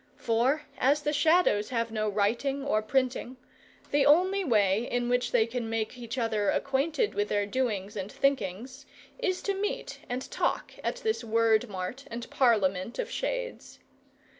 For, as the shadows have no writing or printing, the only way in which they can make each other acquainted with their doings and thinkings, is to meet and talk at this word mart and parliament of shades.